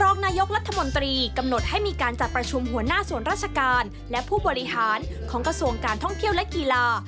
รองนายกรัฐมนตรีกำหนดให้มีการจัดประชุมหัวหน้าส่วนราชการและผู้บริหารของกระทรวงการท่องเที่ยวและกีฬา